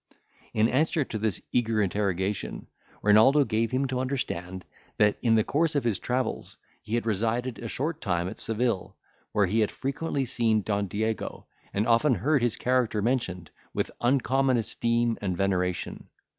In answer to this eager interrogation, Renaldo gave him to understand, that in the course of his travels, he had resided a short time at Seville, where he had frequently seen Don Diego, and often heard his character mentioned with uncommon esteem and veneration.